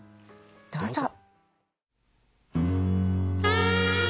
どうぞ。